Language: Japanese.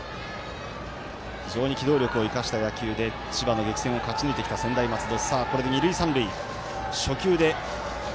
非常に機動力を生かした野球で千葉の激戦を勝ち抜いてきた専大松戸。